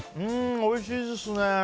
おいしいですね。